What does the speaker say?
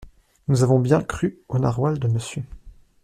Nous avons bien cru au narwal de monsieur.